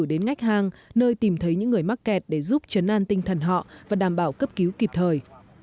đến ngách hang nơi tìm thấy những người mắc kẹt để giúp chấn an tinh thần họ và đảm bảo cấp cứu kịp thời